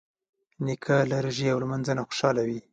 نیکه له روژې او لمانځه نه خوشحاله وي.